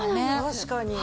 確かに！